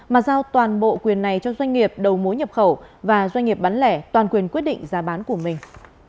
mà giao toàn bộ quyền này cho doanh nghiệp đầu mối nhập khẩu và doanh nghiệp bán lẻ toàn quyền quyết định giá bán của mình